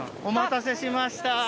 お待たせしました。